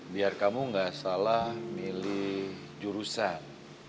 biar kamu gak salah milih jurusan